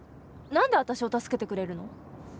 何で私を助けてくれるの？